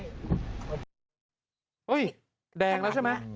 โอ้ยแดงแล้วใช่ไหม